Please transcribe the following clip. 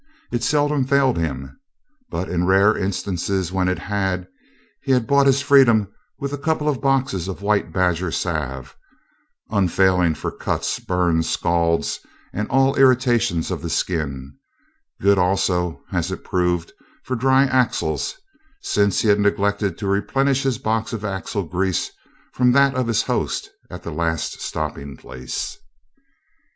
It seldom failed him, but in the rare instances when it had, he had bought his freedom with a couple of boxes of White Badger Salve unfailing for cuts, burns, scalds and all irritations of the skin good also, as it proved, for dry axles, since he had neglected to replenish his box of axle grease from that of his host at the last stopping place.